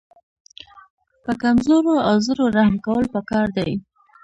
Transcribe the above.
په کمزورو او زړو رحم کول پکار دي.